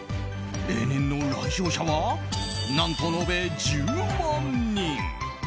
例年の来場者は何と延べ１０万人。